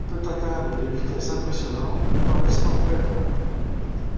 Il peut atteindre des vitesses impressionnantes, tout en restant très propre.